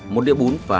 một đĩa bún và hạt